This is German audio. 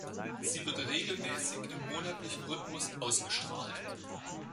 Sie wird regelmäßig im monatlichen Rhythmus ausgestrahlt.